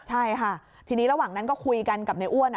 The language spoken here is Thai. ใช่ค่ะทีนี้ระหว่างนั้นก็คุยกันกับในอ้วน